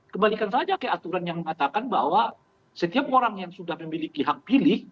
kembalikan saja ke aturan yang mengatakan bahwa setiap orang yang sudah memiliki hak pilih